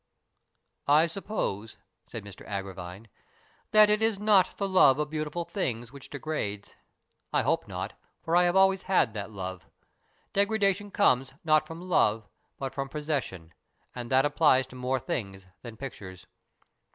" I suppose," said Mr Agravine, " that it is not the love of beautiful things which degrades. I hope not, for I have always had that love. De gradation comes, not from love, but from posses sion, and that applies to more things than pictures.